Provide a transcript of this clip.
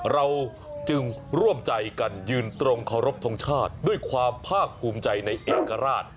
เราจึงร่วมใจกันยืนตรงเคารพทงชาติด้วยความภาคภูมิใจในเอกราช